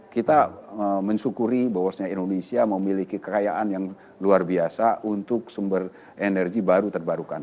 kita mensyukuri bahwasanya indonesia memiliki kekayaan yang luar biasa untuk sumber energi baru terbarukan